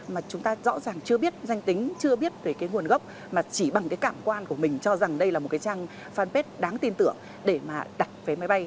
mà chúng ta rõ ràng chưa biết danh tính chưa biết về cái nguồn gốc mà chỉ bằng cái cảm quan của mình cho rằng đây là một cái trang fanpage đáng tin tưởng để mà đặt vé máy bay